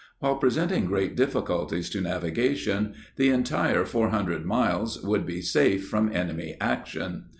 While presenting great difficulties to navigation, the entire 400 miles would be safe from enemy action.